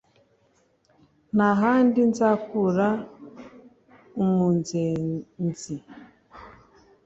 nta handi nzakura umunzenzi